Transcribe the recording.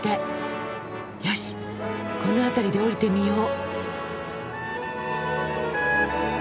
よしこの辺りで降りてみよう。